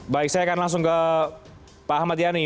baik saya akan langsung ke pak ahmad yani